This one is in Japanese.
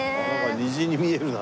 虹に見えるな。